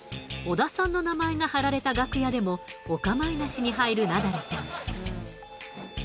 小田さんの名前が貼られた楽屋でもお構いなしに入るナダルさん。